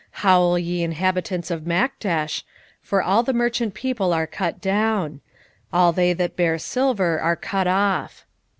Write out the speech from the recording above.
1:11 Howl, ye inhabitants of Maktesh, for all the merchant people are cut down; all they that bear silver are cut off.